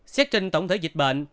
xét trên tổng thể dịch bệnh